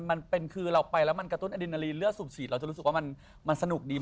มันเป็นคือเราไปแล้วมันกระตุ้นอดินาลีเลือดสูบฉีดเราจะรู้สึกว่ามันสนุกดี